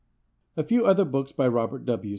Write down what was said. ] A few other books by Robert W.